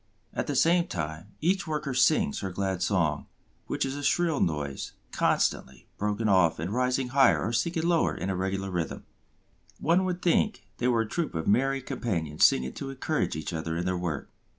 At the same time, each worker sings her glad song, which is a shrill noise, constantly broken off and rising higher or sinking lower in a regular rhythm. One would think they were a troop of merry companions singing to encourage each other in their work.